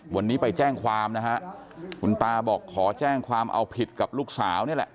วันนี้ไปแจ้งความนะฮะคุณตาบอกขอแจ้งความเอาผิดกับลูกสาวนี่แหละ